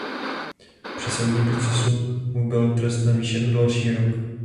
Při soudním procesu mu byl trest navýšen o další rok.